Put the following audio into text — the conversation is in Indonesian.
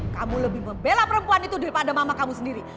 kamu lebih membela perempuan itu daripada mama kamu sendiri